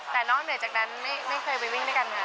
แต่นอกเหนือจากนั้นไม่เคยไปวิ่งด้วยกันค่ะ